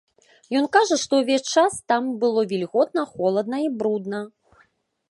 Ён кажа, што ўвесь час там было вільготна, холадна і брудна.